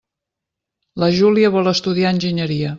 La Júlia vol estudiar enginyeria.